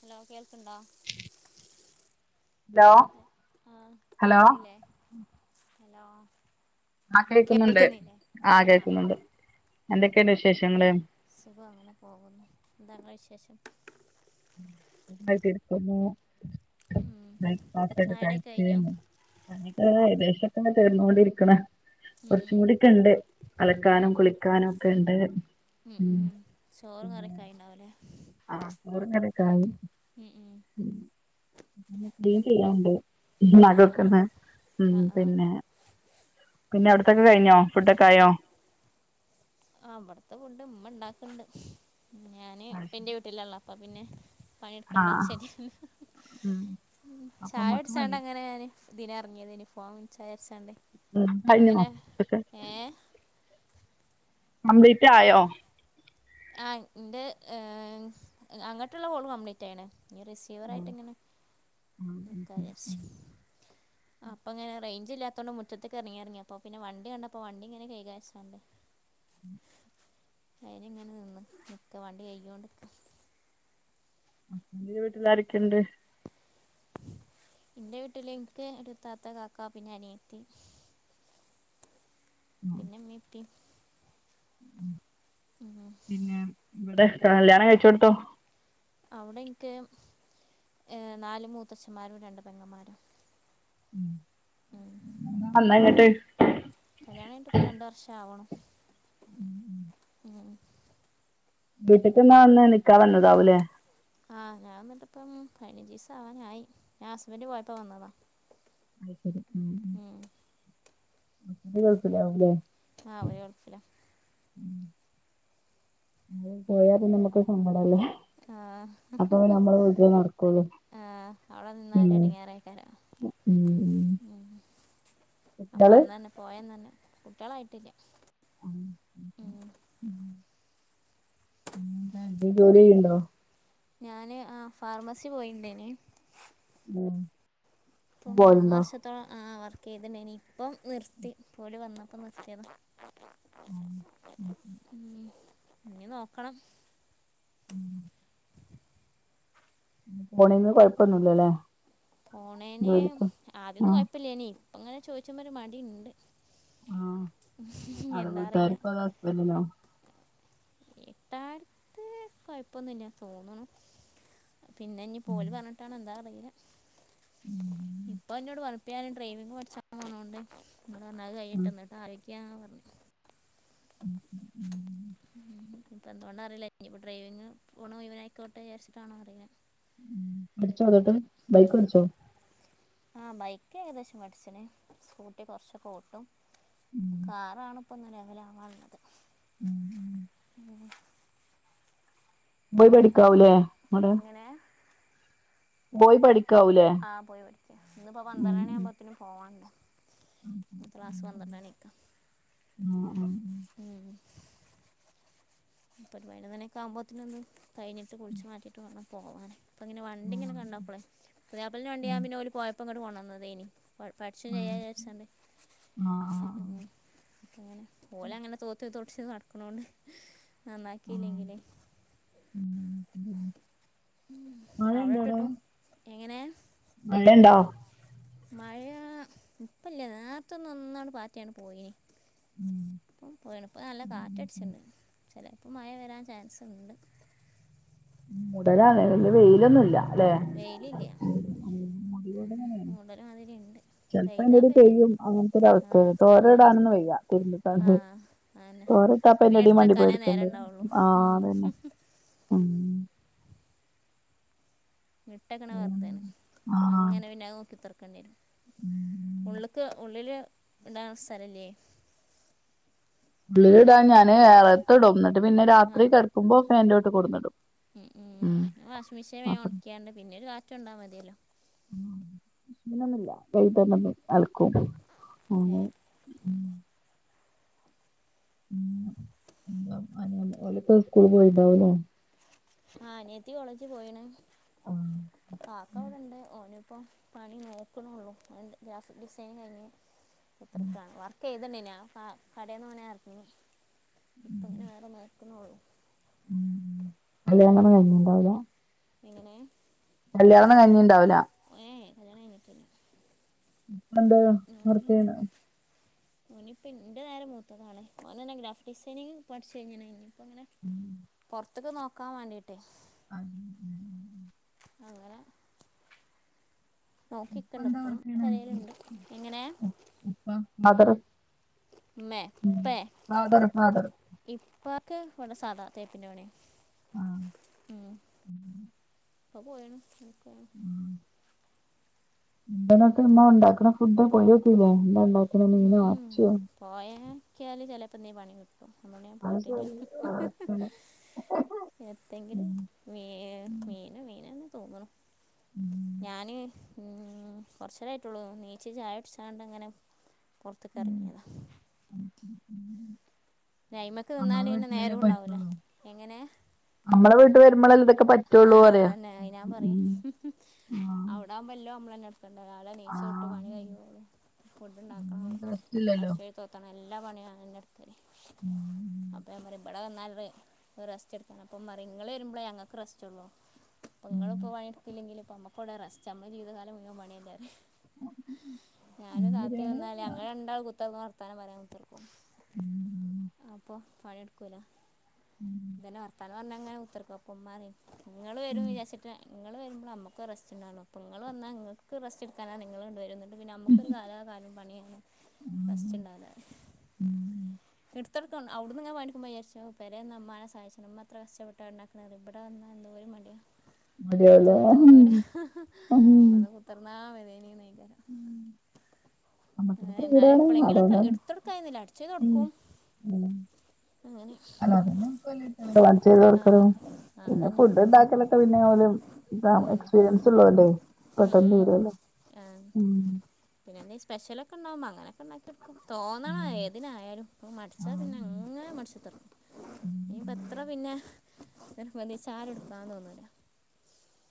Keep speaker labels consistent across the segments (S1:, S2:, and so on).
S1: Hello കേൾക്കണ്ടോ?
S2: Hello
S1: ആഹ്
S2: hello
S1: കേൾക്കുന്നില്ലേ ഹലോ
S2: ആഹ് കേക്കുന്നുണ്ട്
S1: കേൾക്കുന്നില്ലേ
S2: ആഹ്
S1: ആ
S2: കേൾക്കുന്നുണ്ട്. എന്തൊക്കെയണ്ട് വിശേഷങ്ങള്?
S1: സുഖം അങ്ങനെ പോകുന്നു എന്താങ്ങളൊ വിശേഷം.
S2: [unintelligible]
S1: ഉം
S2: [unintelligible]
S1: ചായുടിയൊക്കെ കഴിഞ്ഞോ
S2: [unintelligible] എനിട് ഏകദേശംക്കെ തർന്നുകൊണ്ടിരിക്കണ്.
S1: ഉം
S2: കുറച്ചും
S1: ഉം
S2: കൂടി ഒക്കെ ഉണ്ട്
S1: ഏ
S2: അലക്കാനും കുളിക്കാനും ഒക്കെ ഉണ്ട്
S1: ഉം ഉം ചോറും കറിയൊക്ക ആ ഉണ്ടാവല്ലേ?
S2: ആഹ് ചോറും കറിയൊക്കെ ആയി
S1: ഉം ഉം
S2: ക്ലീൻ ചെയ്യാണ്ട്
S1: ആ
S2: നടു
S1: ആ
S2: ഒക്കൊന്ന് ഉം
S1: ആ ആ
S2: പിന്നെ പിന്നെ അവിടുക്കെ കഴിഞ്ഞോ ഫുഡൊക്ക ആയോ?
S1: ആ അവിടത്തെ ഫുഡ് ഇമ്മ ഇണ്ടാക്കണ്ട്. ഞാന്
S2: ആ
S1: ഇപ്പ
S2: ശരി.
S1: എന്റെ വീട്ടിലള്ള അപ്പ പിന്നെ.
S2: ആ
S1: പണിയെടുക്കണ്ടാവും ശരിയ
S2: ഉം അപ്പൊ നമ്മക്ക്
S1: ചായുടിച്ചാണ്ട്
S2: പണി
S1: അങ്ങനെ ഞാന് ഇതിന് ഇറങ്ങിയത് ഫോൺ വിചാരിച്ചണ്ട് അപ്പം അങ്ങനെ
S2: കഴിഞ്ഞോ
S1: ഏഹ
S2: കംപ്ലീറ്റ് ആയോ? ! ! ! ! ! ! ! ! ! ! ഉം
S1: ജോറായിട്ട് ഇങ്ങനെ
S2: ഉം ഉം
S1: നിക്കാ
S2: ഉം
S1: വിചാരിച്ചി. ആ അപ്പോങ്ങനെ റേഞ്ച് ഇല്ലാത്തൊണ്ട് മുറ്റത്തേക്ക് ഇറങ്ങി ഇറങ്ങി അപ്പോ പിന്നെ വണ്ടി കണ്ടപ്പോൾ വണ്ടി ഇങ്ങനെ കൈകാന്ന് [unintelligible]
S2: [unintelligible]
S1: അയന് ഇങ്ങനെ നിന്ന് നിക്ക വണ്ടി കൈണ്ട്ക്ക.
S2: [unintelligible] വീട്ടിൽ ആരൊക്കെയുണ്ട്?
S1: എന്റെ വീട്ടില് എനിക്ക് ത്താത്ത, കാക്ക, പിനൊ അനിയത്തി.
S2: [inaudible]
S1: പിന്നെ ഇമ്മീം ഉപ്പി ഉം
S2: പിന്നെ ഇവിടെ കല്യാണം കഴിച്ചോടുത്തോ
S1: അവിടെ എനിക്ക് നാല് മൂത്തച്ഛന്മാരും രണ്ട് പെങ്ങന്മാരും
S2: ഉം
S1: ഉം
S2: അന്നാ ഇങ്ങട്ട്
S1: കല്യാണംകയിങിട്ട് ഇപ്പം രണ്ടു വർഷം ആണ്
S2: ഉം ഉം
S1: ഉം
S2: വീട്ടക്ക്ന്നാ ഒന്ന് നിക്കാൻ വന്നുതാവൂലേ?
S1: ആ ഞാൻ വന്നിട്ടിപ്പം പതിനഞ്ച്ചീസം ആവാനായി ഞാൻ ഹസ്ബൻഡ് പോയപ്പോ വന്നതാ
S2: അത് ശരി ഉം
S1: ഉം
S2: ഹസ്ബൻഡ് ഗൾഫിൽ ആവൂല്ലേ
S1: ആഹ് അവര് കുഴപ്പല്ല
S2: [unintelligible] നമ്മുക്ക് സമ്പടല്ലോ
S1: ആഹ്
S2: നടക്കുള്ളൂ
S1: ആഹ് അവിടെ
S2: ഉം
S1: നിന്നാല് എടങ്ങേറേക്കാരം ഉം അപ്പൊ
S2: കുട്ട്യാള്
S1: അന്ന് തന്നെ പോയ അന്നന്നെ കുട്ടികളായിട്ടില്ല
S2: പിന്നെ എന്തേം ജോലി ചെയ്യ്ണ്ടോ
S1: ഞാന് ആ ഫാർമസി പോയിണ്ടേന്
S2: ഉം
S1: പം
S2: പോവലുണ്ടോ
S1: മൂന്നുവർഷ ഇത്ത ആ വർക്ക് [unintelligible] ഇനി ഇപ്പം നിർത്തി ഒല് വന്നപ്പോ നിർത്തിയത. ഉം ഇഞ്ഞി നോക്കണം.
S2: ഉം പോണെന്ന് കൊഴപ്പൊന്നുല്ലല്ലേ
S1: പോണേന്
S2: ജോലിക്ക്
S1: ആദ്യൊന്നും
S2: ആഹ്
S1: കൊഴപ്പില്ലനി ഇപ്പ ഇങ്ങനെ ചോദിച്ചപ്പ ഒരു മടിണ്ട്
S2: ആഹ്
S1: എന്താ അറിയില്ല.
S2: വന്നിനോ
S1: ഇത്താര്ത്ത് കൊഴപ്പൊന്നുല്ല തോന്ന്ണു പിന്നെ ഇഞ്ഞി പോല് പറഞ്ഞിട്ടാണ് എന്താ അറിയില
S2: ഉം
S1: ഇപ്പൊ എന്നോട് അപ്പ ഞൻ ഡ്രൈവിംഗ് പഠിച്ചപോണോണ്ട്
S2: ആ
S1: കൈയിട്ട് എന്നിട്ട് ആലോയികം പറഞ്ഞു
S2: ഉ ഉം
S1: ഉം ഇപ്പൊ എന്തുകൊണ്ട അറിയില്ല ഇനിപ്പ ഡ്രൈവിംഗ് പോണോ മുഴിവനാ ആഴിക്കോട്ടെ വിചാരിച്ചിട്ടാണോ അറിയില്ല.
S2: പഠിച്ചോ അതോട്ട് ബൈക്ക് പടിച്ചോ?
S1: ആഹ ബൈക്ക് ഏകദേശം പഠിച്ചന് സ്കൂട്ടി കുറച്ചക്കെ ട്ടും
S2: ഉം
S1: കാറാണ്. ഇപ്പന്ന് ലെവല് ആവാനുള്ളത്
S2: ഉം ഉം
S1: ഉ
S2: പോയി പഠിക്കാവൂല്ലേ
S1: എങ്ങനെ?
S2: പോയി പഠിക്കാവും
S1: ആഹ് പോയി പഠിക് ഇപ്പോ പന്ത്രണി ആവുമ്പോ പിന്നെ പോവാണ്ട ഇന്നത്തെ ക്ലാസ്സ് പന്ത്രണിക്ക
S2: ആഹ് ആഹ്
S1: ഉം പത്ത് പതിനൊന്ന് മണിയൊക്കെ ആകുമ്പോത്തിനൊന്ന് കഴിഞ്ഞിട്ട് കുളിച്ച് മാറ്റിയിട്ട് വേണം പോവാന് അപ്പം ഇങ്ങനെ വണ്ടിങ്ങനെ കാടപ്പോളെ പുതിയാപ്പളന്റ വണ്ടി ഞ്ഞൻ പിന്നെ ഒരു പോഴപ്പംങ്ങോട്ട് കൊടനിന്. പഠിച്ചു ചെയ്യാ [unintelligible] ച്ചാണ്ട്. ഉ അങ്ങനെ [unintelligible] അങ്ങനെ തോത്ത് തോട്ട ചി നടക്കണോണ്ട്. ആ നന്നാക്കിലെങ്കില്
S2: [unintelligible]
S1: ഉം
S2: മഴയുണ്ടോടെ
S1: അവടെ
S2: മഴയുണ്ടോ അവിടെ?
S1: ഇട്ട്ട്ടും. എങ്ങനെ?
S2: മഴയുണ്ടോ?
S1: മഴ ഇപ്പല്ല നേരത്തൊന്ന ഒന്നാണ് പാറ്റിയാണ് പോയിന്
S2: ഉം
S1: പ്പം പോയിണ് പ്പ നല്ല
S2: ഉം
S1: കാറ്റട്ച്ച്ണ്ട് ചെലപ്പോ മഴ വരാൻ ചാൻസ്ണ്ട്.
S2: മൂടലാണ് ന്ന് വെയിലൊന്നുംല്ല.
S1: വെയിലില്ല ഉം.
S2: [unintelligible]
S1: മൂടൽ മാതിരി ഉണ്ട്
S2: ചെൽപ്പോ
S1: പെയ്താ
S2: എന്തേലും
S1: പെയ്ത്
S2: പെയ്യും അങ്ങനത്തെ ഒരു അവസ്ഥ
S1: ആഹ്
S2: തോര
S1: അങ്ങനത്തെ
S2: ഇടാനൊന്ന് വെയ്യ
S1: ആഹ് അതന്നെ പിന്നെ
S2: [unintelligible] [unintelligible] മണ്ടി പോയി
S1: എടുത്തക്കാനേ
S2: എടുക്കേണ്ടി
S1: നേരം
S2: വരും
S1: ഉണ്ടാവുള്ളൂ
S2: ആഹ്
S1: ഉം
S2: അതന്നെ ഉം
S1: ട്ടക്കണ വെറുതാണ്
S2: ആഹ്
S1: അങ്ങനെ പിന്നെ നോക്കി കുത്ക്കേണ്ടി വരും
S2: ഉം
S1: ഉള്ള്ക്ക് ഉള്ളില് ഉണ്ടാകുന്ന സ്ഥലല്ലേ?
S2: ബ്ളീടാൻ ഞാൻ വേറത്തോടന്നിട്ട് പിന്നെ രാത്രി
S1: ആഹ്
S2: കിടക്കുമ്പോ ഫാന്റെ ചോട്ട് കൊടുന്നിടും.
S1: ഉം വാഷിംഗ് മെഷീൻ വേ ഒണിക്ക്യാണ്ട് പിന്നെ ഒരു കാറ്റ് കൊണ്ടാ മതിയല്ലോ.
S2: മിഷിന് ഒനുമില്ല കൈ തന്ന ആൽക്കും അ
S1: ഏഹ്
S2: [unintelligible] സ്കൂൾ പോയിട്ടുണ്ടാവുംല്ലോ
S1: ആ അനിയത്തി കോളേജ് പോയിണ്.
S2: ആഹ്
S1: കക്ക അവിടെ ഇണ്ട് ഓന് ഇപ്പം. പണി നോക്കണള്ളൂ അതി ഗ്രാഫി ഡിസൈൻ കഴിഞ്ഞ് കുതിരികണ് വർക്ക് ക്കെയ്തണ്ടയ്നോ ഫാ കടേന്ന് ഓനർങ്ങി ഇപ്പംങ്ങനെ വേറെ നോക്കുണള്ളൂ
S2: [unintelligible] കഴിഞ്ഞിണ്ടാവുലേ.
S1: എങ്ങനെ
S2: കല്യാണംന്ന് കഴ്ഞ്ഞിണ്ടാവുല്ല
S1: ഏയ് കല്യാണം കഴിഞ്ഞിട്ടില്ല
S2: [inaudible]
S1: ഇനിപ്പ ഇന്റെ നേരെ മൂത്തതാണ് അവൻ തന്നെ ഗ്രാഫിക് ഡിസൈനിങ് പഠിച്ചു കഴിഞ്ഞു [unintelligible] ഇങ്ങനെ പുറത്തേക്ക് നോക്കാൻ വേണ്ടിട്ടേ
S2: [inaudible]
S1: [inaudible]
S2: ഇപ്പ
S1: നോക്കിക്കണ്ട്
S2: എന്താ
S1: ഇപ്പോ
S2: വർക്ക്
S1: തലയിലുണ്ട് എങ്ങനെ.
S2: അപ്പ മദ്റസ്.
S1: മേ പേ
S2: ഫാദർ ഫാദർ
S1: ഇപ്പൊക്കെ ഇവിടെ സാധാ തേപ്പിന്റെപണി ഉം അത്പോയെണ്
S2: എന്തൊക്കെ ഇമ്മ ഉണ്ടാക്കുന്ന ഫുഡ കൊലിക്കല്ലേ എന്താ ഉണ്ടാക്കുന്ന മീനോ വറച്ചോ
S1: പോയോക്കിയാല് ചേലപ്പോനീ പണി കിട്ടും അതോണ്ട് ഞാൻ
S2: അത്
S1: പോയിട്ടില്ല
S2: ആഹ്
S1: എത്തെങ്കിലും
S2: ഉം
S1: മീ മീന മീനന്നെ തൂങ്ങണം
S2: ഉം
S1: ഞാന് കൊറച്ചരായിട്ടുള്ളൂ നീച്ച് ചായടിച്ച്ങ്ങണ്ട്.
S2: ഉം.
S1: പുറത്തറങ്ങിയതാണ്
S2: [inaudible]
S1: അയ്മക്ക്
S2: നമ്മളെ
S1: നിന്നാല പിന്നെ
S2: വീട്ടിലല്ലേ
S1: നേരവും ഉണ്ടാവൂലേ എങ്ങനെയ
S2: നമ്മള വീട്ട വരുമ്പോൾല്ല ഇതൊക്കെ പറ്റി
S1: ആഹ അതന്നെ യിഞാൻ പറ അവിടാ പല്ലോ നമ്മളെ രാവിലെ നീച്ചട്ട്
S2: ആഹ്
S1: പണി കഴിഞ്ഞ- ഫുഡ്ണ്ടാക്കണം,
S2: ഒന്നും റെസ്റ്റ് ഇല്ലല്ലോ
S1: അടിച്ചുവാരി തുടക്കണം. ത്തണം. എല്ലാ പണിം ഞാനന്നെ ഇട്ക്കല്. അപ്പൊ ഞാൻ പറിയെ. ഇബടെ വന്നാലെര്- റസ്റ്റ് എടുക്കാണ് അപ്പം മറിങ്ങള് വരുമ്പോ ഞങ്ങൾക്ക് റസ്റ്റ് ഉള്ളൂ, അപ്പൾ നിങ്ങളൾ പറയും, ഇപ്പോൾ എടുക്കില്ലെങ്കിൽ ഇപ്പോൾ നമ്മക്ക് കുവിടെ റെസ്റ്റ് നമ്മൾ ജീവിതകാലം മുഴൻ പണിയണ്ടായിരുന്നു ഞാൻ താത്തി
S2: ശരിയാണ്
S1: വന്നല് ഞങ്ങൾ രണ്ടാൾ കുത്തർ വർത്താനം പറയാൻ കുത്തർക്കും
S2: ഉം
S1: അപ്പോ പണിയെടുക്കൂല.
S2: [inaudible]
S1: ഇങ്ങനെ വർത്താനം പറഞ്ഞ അങ്ങനെ കുത്തർക്കും അപ്പൊ ഇമ്മ പറയും നിങ്ങള് വരും വിചാരിച്ചിട്ട നിങ്ങളൾ വരുമ്പോൾ നമുക്ക് റസ്റ്റ് ഉണ്ടാവോ അപ്പോൾങ്ങൾ വന്നാ നിങ്ങൾക്ക് റെസ്റ്റ് എടുക്കാനാണ് നിങ്ങൾ കൊണ്ട വരുന്നത് ണ്ട് പിന്നെ നമുക്കൊരു കലാ കാലം പണിയാണ് റസ്റ്റ് ഉണ്ടാവൂല ഇട്തൊട്കൺ അവ്ട്ന്ന്ങ്ങനെ പണിട്ക്കുമ്പൊ വിചാരിച്ചും പെരേന്ന മ്മാനെ സഹായിച്ചണം ഇമ്മത്ര കസ്ട്ടപ്പെട്ടാ ണ്ടാ ന്നറിയൊ? ഇബടെ വന്നാ എന്തോരു മടി
S2: [unintelligible] ആഹാ.. !
S1: എത്രണ്ണാ വരേനിന്നയ്
S2: നമ്മക്കൊരു
S1: എന്നാലും
S2: ഫ്രീഡാണ്
S1: എപ്പളങ്കിലൊക്കെ
S2: അതുകൊണ്ടാണ്
S1: ഇട്ത്തൊട്ക്കായൊന്നുല്ല അട്ച്ചേരി തൊടുക്കും
S2: ഉം അതോണ്ടന്നെ വലിയ കുട്ടിയല്ലേ ചെയ്തു
S1: ആ
S2: കൊടുക്കണം.
S1: ആ
S2: പിന്നെ
S1: അതന്നെ
S2: ഫുഡ്ണ്ടാക്കലൊക്കെ പിന്നെ ഓല്
S1: ഉം.
S2: എക്സ്പീരിയൻസ് ഉള്ളോലേയ് പട്ടന്ന് ഇരല്ല.
S1: ആഹ് പിന്നെ എന്തെ സ്പെഷ്യലൊക്കെ ഉണ്ടാവുമ്പോ അങ്ങനെയൊക്കെ ഉണ്ടാക്കിയൊടുക്കും തോന്നണം
S2: ഉം
S1: ഏതിനായാലും. അപ്പോ മടിച്ചാൽ
S2: ആഹ്
S1: പിന്നെ അങ്ങനെ മടിച്ചു തിരിക്കും.
S2: ഉം ഉം
S1: ഇനിത്ര പിന്നെ, ഇത് പൊന്നിച്ചാലുട്ക്കാൻ തോന്നൂല.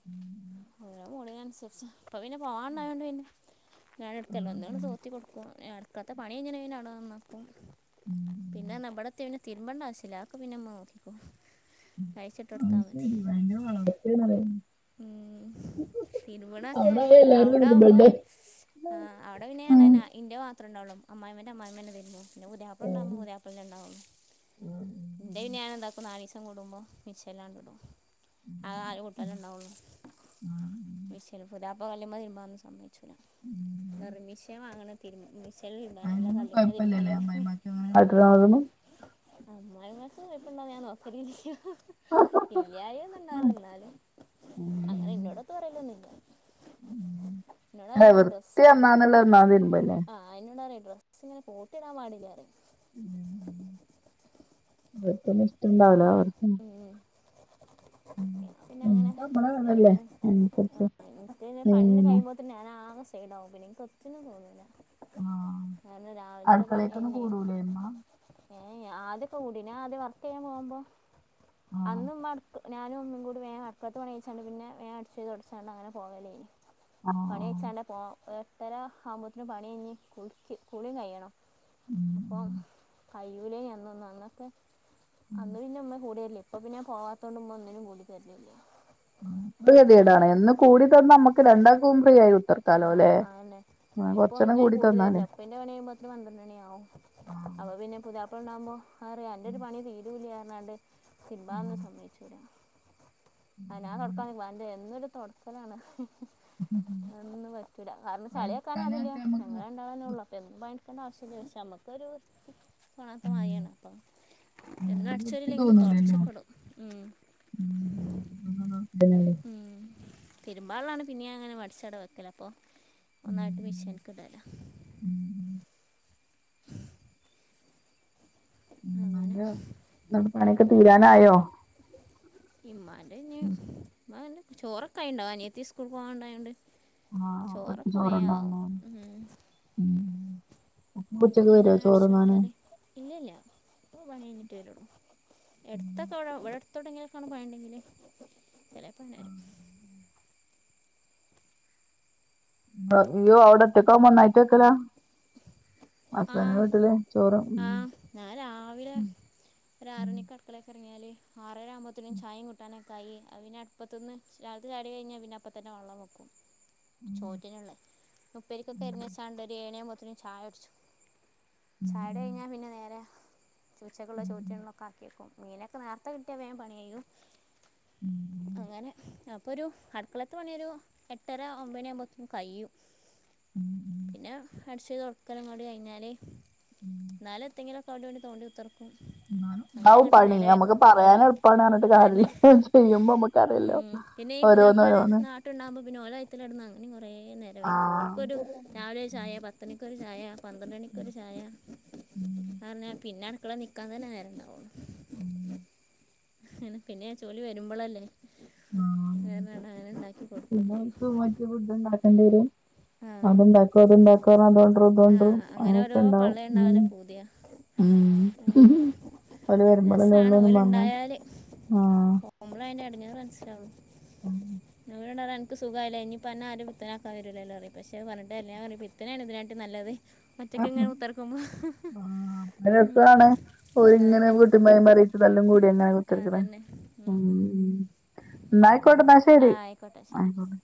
S2: [inaudible]
S1: ഓരോ മൂടിന് അനുസരിച്ച ഇപ്പൊ പിന്നെ പോകാണ്ടായോണ്ട് പിന്നെ ഞാൻ എടുക്കല്ലോ എന്തുക- തോത്തി കൊടുക്കും, ഞാൻ എടുക്കാത്ത പണി- എങ്ങനൊണന്നപ്പോഴും പിന്നെ അർന ഇവിടത്തിയ പിന്നെ തിരുമ്പണ്ട ആവശ്യല്ല ആക്കെ പിന്നെ ഇമ്മ നോക്കിക്കോളും
S2: അത്
S1: കഴിച്ചിട്ടൊടുത്താ മതി
S2: ശരി ഭയങ്കര വളർച്ചയാണല്ലേ
S1: ഉം ഉം തിരുമ്പ്ണൊക്കെ
S2: അവിടായ എല്ലാരും
S1: അവ്ടാവുമ്പൊ
S2: നിർബന്ധ
S1: ആഹ് അവിടെ പിന്നെയാണ ന ഇന്റെമാത്രണ്ടാവുള്ളു അമ്മായിമ്മാന്റെ അമ്മായിമ്മ തന്നെതിരിമ്പും. പിന്നെ പുതിയാപ്പിള ഉണ്ടാവുമ്പം പുതിയാപ്പളന്റെണ്ടാവും ഇന്റെ പിന്നെ ഞാൻ എന്താക്കും നാലീസം കൂടുമ്പോ. മിച്ചഎല്ലാംണ്ടിടും, അത ആഹാ കൂട്ടാല ഉണ്ടാവുള്ളൂ.
S2: ആഹ്
S1: മിഷല് പുതാപ്പ കല്ലുമ്മേ തിരിമ്പാനൊന്നും സമ്മയ്ച്ചൂല. പെർമിഷന് വാങ്ങ്ണ് തിര് മെഷീൻ തിര്മ്പാന് അല്ലാതെ
S2: അതിനൊന്നും
S1: കല്ല്മ്മെ
S2: കൊഴപ്പല്ലല്ലേ
S1: തിര്മ്പാനല്ല
S2: അമ്മായിമ്മക്ക് അങ്ങനെ കാട്ടണതൊന്നും
S1: അമ്മായിമ്മാക്ക് കൊഴ്പ്പണ്ടോന്ന് ഞാൻ നോക്കലില്ല ചേയ്യായ കണ്ടാലോ എന്നാലും, അങ്ങനെ ഇന്നോടൊത്ത് പറയലൊന്നില്ല.
S2: അല്ല
S1: നോടറിങ്ങനാ
S2: വൃത്തി
S1: ബസ്
S2: നന്നാന്നുള്ള ഒന്നാമത് തിരുമ്പല്ലേ
S1: ആഹാ.. ! ആഹ് ഇന്നോട് അറി ഡ്രസ്സ് ഇങ്ങനെ കൂട്ടിടാൻ പാടില്ലാറിം
S2: [unintelligible]
S1: ഉം ഞാൻ
S2: ഉം
S1: പിന്നെ അങ്ങനെ
S2: നമ്മക്ക് നമ്മളെ അതല്ലേ
S1: ഏതന്ന
S2: അതിനനുസരിച്ച്
S1: ആഹ് തന്നെ പണി
S2: പിന്നെ
S1: കഴിമ്പോത്തി പിന്നെ ഞാനാകെ സൈഡ് ആവും പിന്നെൻക്ക് എത്തിനും തോന്നൂല്ല
S2: ആഹ്
S1: കാരണം രാവിലത്തെ പണി
S2: അടുക്കളേക്കൊന്നും
S1: കഴിഞ്ഞ്
S2: കൂടൂലേ ഇമ്മ
S1: ഏയ് ആദ്യ കൂടനാ ആദ്യ വർക്ക് ചെയ്യാൻ പോകുമ്പോ,
S2: ആഹ്
S1: അന്നും ഇമ്മ ഞാനും ഉമ്മും കൂടെ വേം അട്ക്കള്ത്തെ പണയിച്ചാണ്ട് പിന്നെ വേഗം അടിച്ചോരി തൊട്ച്ചാണ്ട് അങ്ങനെ പോകലേനി
S2: ആഹ്
S1: പണി
S2: ആഹ്
S1: അഴ്ച്ചാണ്ട പോ എട്ടര ആവുമ്പോത്തിന് പണി കഴിഞ്ഞ് കുളിക്ക് കുളിം കഴിയണം
S2: ഉം
S1: അപ്പോ
S2: ഉം
S1: കഴൂലന്നൊന്നും, അന്നൊക്കെ
S2: ഉം.
S1: അന്ന ഇന്ന ഉമ്മ ഇല്ലേ കൂടെ. പ്പൊ പിന്നെ പോവാത്തോണ്ട് ഉമ്മ ഒന്നിനും കൂടി തര്ലില്ല.
S2: [unintelligible] എന്ന് കൂടി തന്ന നമ്മുക്ക് രണ്ടാക്കവും ഫ്രീ ആയി ഉത്തർക്കാലോ
S1: ആഹ്
S2: അല്ലേ? ആ കൊറച്ചെണ്ണം കൂടി തന്നാലേ
S1: അപ്പന്റെ പണി കയ്യുമ്പോത്തിന് പന്ത്രണിയാവും
S2: ആഹ്
S1: അപ്പ പിന്നെ പുതിയ ഇപ്പണ്ടാവുമ്പോ അറിയാ അൻ്റെ ഒരു പണി തീരൂല്ലാറഞ്ഞാണ്ട് തിര്മ്പാനൊന്നും
S2: ആഹ്
S1: സമ്മയിച്ചു ഞാൻ തൊടക്കാണെങ്കിൽ അന്റെരു എന്നൊരു തൊടക്കലാണ് അതൊന്നും പറ്റൂല കാരണം ചളിയാക്കാന് ആരുല്ല
S2: അതെടുക്കാനായിട്ട് നമ്മക്ക്
S1: ഞങ്ങളൺ [unintelligible] വാങ്ങിക്കേണ്ടആവശ്യല്ല പക്ഷെ നമുക്കൊരു തോണാത്ത
S2: ഉം
S1: മഴേണ് അപ്പൊ
S2: ഉം,
S1: എന്നും
S2: വൃത്തി
S1: അടിച്ചോരില്ലെങ്കിലും തൊട്
S2: തോന്നൂലല്ലോ
S1: ച്ചക്കടും ഉം
S2: അതന്നെല്ലേ
S1: ഉം തിരുമ്പാള്ളാണ് പിന്നിം അങ്ങനെ മടിച്ചട വെക്കല് അപ്പൊ ഒന്നായിട്ട് മിഷൻക്ക് ഇടല
S2: ഉം ഉം
S1: അങ്ങനെ
S2: നമ്മുടെ പണിയൊക്കെ തീരാറായോ?
S1: ഇമ്മാന്റെ ഉ ചോറൊക്കെ ആയണ്ടാവ അനിയത്തി സ്കൂൾ പോവാണ്ടായോണ്ട്
S2: ആഹ് ഓൽക്ക്
S1: ചോറൊക്കെ വേം ആവും
S2: ചോറുണ്ടോന്നോ
S1: ഉം
S2: ഉം ഇപ്പൊ ഉച്ചയ്ക്ക് വരോ ചോറ്ന്നാന്
S1: ഇല്ലല്ല പണിഴിഞ്ഞിട്ടേ വരള്ളൂ, എടുത്തൊക്കെ ഇവിടെവിടെ. തുടങ്ങിയൊലക്കണ് പണിണ്ടങ്കില് ചെലേപ്പം വരും
S2: ബ ഇഞ്ഞി ആവ്ടെ ഒറ്റക്കാവുമ്പൊ ഒന്നായ്റ്റ് വെക്കലാ
S1: ആ
S2: ഹസ്ബൻഡിന്റെ വീട്ടിൽ ചോറും ഉം
S1: ആഹ് ഞാൻ രാവിലെ ഒരാറണിക്ക് അടുക്കളയൊക്ക ഇറങ്ങിയാൽ ആറര ആകുമ്പഴത്തേും ചായയും കൂട്ടാനൊക്ക തായി അത് പിന്നെ അട്പ്പത്ത്ന്ന് രാവിൽത്തെ ചായടി കഴിഞ്ഞാ പിന്നെ അപ്പതന്നെ വെള്ളം വെക്കും ചോറ്റിനുള്ള മുപ്പരിക്കൊക്കെ എറുന്നച്ചാണ്ട് ഒരു ഏണയാവുമ്പത്തിനും ചായ അടിച്ചും. ചായെടെ കഴിഞ്ഞാൽ പിന്നെ നേരെ ഉച്ചക്കുള്ള ചോറ്റഒക്കെ ആക്കി എടുക്കും. ക്കും മീനൊക്കെ നേർത്ത കിട്ടിയ വേം പണിയയും അങ്ങനെ അ അപ്പൊരു അടുക്കളത്തെ പണി ഒരു എട്ടര ഒമ്പണി ആവുമ്പോത്തിന് കഴും പിന്നെ അടിച്ചത് തുറക്കലങ്ങോടി കഴിഞ്ഞാല് എന്നാലും എന്തെങ്കിലും. അവ്ടിം ഇവ്ടിം തോണ്ടി കുത്തർ
S2: ഇതാവും
S1: അങ്ങനെങ്ങട്ട്
S2: പണി
S1: നേരെ വൈകും
S2: നമുക്ക് പറയാൻ എളുപ്പാണ് പറഞ്ഞിട്ട്
S1: അയെന്നെ.
S2: കാര്യമില്ല ചെയ്യുമ്പോ നമ്മക്കറിയല്ലോ
S1: ഇനിയിപ്പോ പുതിയാപ്ലാര്
S2: ഓരോന്നോരോന്ന്
S1: നാ ട്ടിണ്ടാഉമ്പോ പിന്നെ ഓലെയ്ത്തലടന്ന് അങ്ങനെ കുറേ നേരം ഇപ്പോ
S2: ആഹ്
S1: ഒല്ക്കൊരു രാവിലെ ചായ പത്തണിക്കൊരു ചായ പന്ത്രണികൊരു ചായ [unintelligible] പിന്നെ അട്ക്കളെ നിക്കാതന്നെ നേരണ്ടാവൊള്ളു
S2: [inaudible]
S1: പിന്നെ അ ജോലി വരുമ്പളല്ലേ ഞാനാണെ അങ്ങനെണ്ടാക്കി കൊടുക്കും ചെയ്യും
S2: ഞ്ഞ്‌ ഫുഡ്ണ്ടാക്കേണ്ടി വെരും
S1: ആഹ്
S2: അത്ണ്ടാക്കോ അത്ണ്ടാക്കോ [unintelligible]
S1: ആഹ്
S2: അങ്ങനൊക്കെ ണ്ടാവും വരുമ്പളല്ലേ
S1: രേസാണ്
S2: ഉള്ളൂന്നും
S1: ഓല്
S2: പറഞ്ഞ്
S1: ഇണ്ടായാല് പോവുമ്പളെ അയിന്റെ എടങ്ങേറ് മസിലാവൊള്ളു ഇന്നോടറിയാ അൻ അൻക്ക് സുഖായിലെ ഇഞ്പ്പൊ അന്നെ ആരും പിത്തനാക്കാം വെരൂലല്ലോ പറിം പക്ഷെ അഹ്പറഞ്ഞിട്ടാരില്ല്യ ഞ്ഞാം പറ്ണ് പിത്തനേണ് ഇതിനാട്ടീം നല്ലത്
S2: ആ
S1: ഒറ്റയ്ക്ക് ഇങ്ങനെ മുത്തിറക്കുമ്പോൾ
S2: ഒരെസാണ് ഓരിങ്ങനെ
S1: അതന്നെ
S2: [unintelligible] ത് തല്ലും കൂടിങ്ങനെ വിത്തർക്ക്ടെ ഉം ഉം ന്നായിക്കോട്ടെ ന്നാ
S1: ആ,
S2: ശെരി.
S1: ആയിക്കോട്ടെ ശരി
S2: ആയിക്കോട്ടെ